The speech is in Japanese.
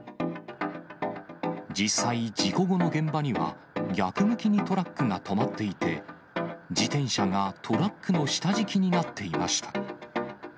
実際、事故後の現場には逆向きにトラックが止まっていて、自転車がトラックの下敷きになっていました。